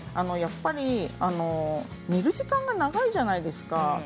やっぱり煮る時間が長いじゃないですか。